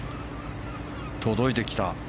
届いてきた。